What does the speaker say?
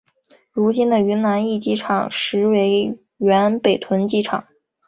如今的云南驿机场实为原北屯机场。